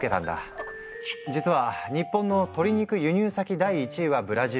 実は日本の鶏肉輸入先第１位はブラジル。